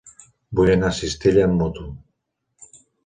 Vull anar a Cistella amb moto.